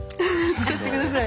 使ってください。